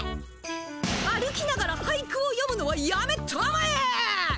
歩きながら俳句をよむのはやめたまえ！